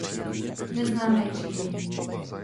Neznámé křížení.